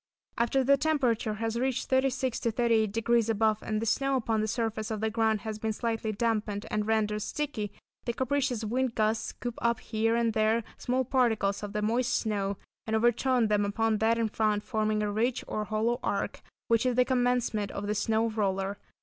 After the temperature has reached 36° to 38° above and the snow upon the surface of the ground has been slightly dampened and rendered sticky, the capricious wind gusts scoop up here and there small particles of the moist snow, and overturn them upon that in front, forming a ridge or hollow arch, which is the commencement of the snow roller.